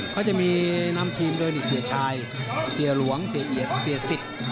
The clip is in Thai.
เขาจะมีนำทีมโดยเสียชายเสียหลวงเสียเอียดเสียสิทธิ์